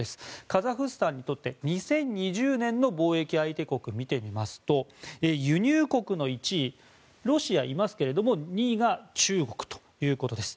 カザフスタンにとって２０２０年の貿易相手国を見てみますと輸入国の１位、ロシアがいますが２位が中国ということです。